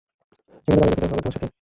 সেখানে তাহলে দেখা হবে তোমার সাথে?